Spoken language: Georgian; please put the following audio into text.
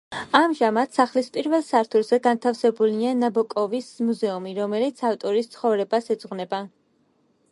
ამჟამად, სახლის პირველ სართულზე განთავსებულია ნაბოკოვის მუზეუმი, რომელიც ავტორის ცხოვრებას ეძღვნება.